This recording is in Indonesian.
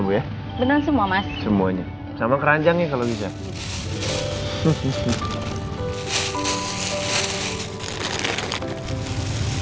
bu ya benar semua mas semuanya sama keranjangnya kalau bisa